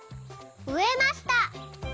「うえました」。